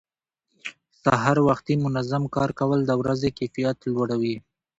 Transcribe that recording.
سهار وختي منظم کار کول د ورځې کیفیت لوړوي